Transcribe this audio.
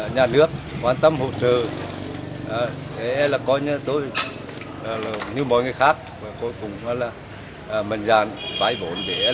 nhà nước quan tâm hỗ trợ